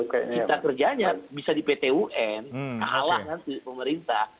kita kerjanya bisa di pt un halangan pemerintah